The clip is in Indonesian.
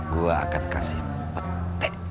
gue akan kasih petek tiap hari